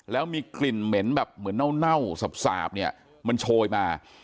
แล้วมีกลิ่นเหม็นแบบเหมือนเน่าสาบเนี่ยมันโชยมา